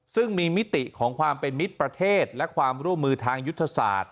ซึ่งมีมิติของความเป็นมิตรประเทศและความร่วมมือทางยุทธศาสตร์